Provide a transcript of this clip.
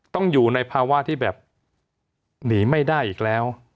ต้องอยู่ในภาวะที่แบบหนีไม่ได้อีกแล้ว